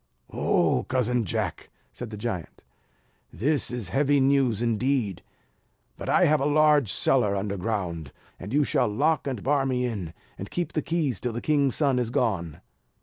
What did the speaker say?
"Oh, cousin Jack," said the giant, "This is heavy news indeed! But I have a large cellar under ground, where I will hide myself, and you shall lock, and bar me in, and keep the keys till the king's son is gone."